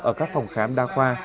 ở các phòng khám đa khoa